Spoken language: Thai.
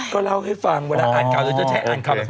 ก็เล่าให้ฟังเวลาอ่านกล้อนจะแชะอ่านคำ